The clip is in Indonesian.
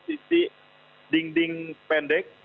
di sisi dinding pendek